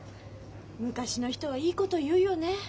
昔の人はいいこと言うよね。